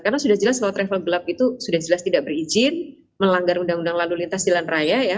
karena sudah jelas kalau travel gelap itu sudah jelas tidak berizin melanggar undang undang lalu lintas jalan raya ya